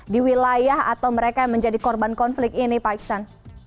di wilayah atau mereka yang menjadi korban konflik ini pak iksan